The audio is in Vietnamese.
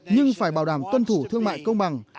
nhưng phải bảo đảm tuân thủ thương mại công bằng